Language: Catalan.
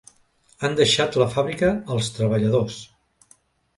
Han deixat la fàbrica als treballadors.